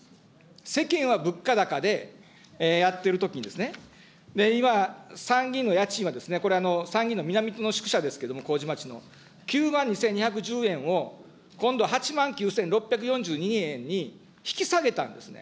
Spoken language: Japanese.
世間は物価高でやってるときにですね、今、参議院の家賃はですね、これ、参議院の宿舎ですけれども、麹町の、９万２１０円を今度８万９６４２円に引き下げたんですね。